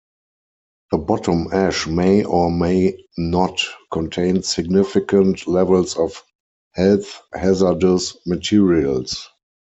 The bottom ash may or may not contain significant levels of health hazardous materials.